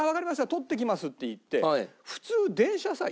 取ってきます」って言って。